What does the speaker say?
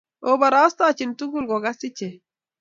Obarastochi tugul ko kas ichek